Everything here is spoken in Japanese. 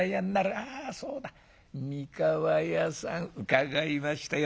あそうだ三河屋さん伺いましたよ。